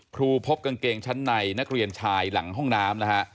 พบกางเกงชั้นในนักเรียนชายหลังห้องน้ำนะฮะ